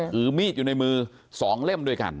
ถือมีดอยู่ในมือ๒เล่มด้วยกัน